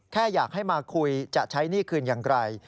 แค่อยากให้มาคุยจะใช้หนี้คืนอย่างไร